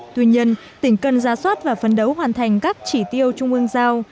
tuy nhiên tỉnh cần ra soát và phấn đấu hoàn thành các chỉ tiêu trung ương giao